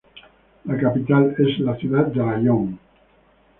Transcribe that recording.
La capital es la ciudad de Raión.